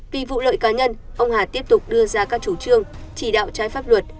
vì vụ lợi cá nhân ông hà tiếp tục đưa ra các chủ trương chỉ đạo trái pháp luật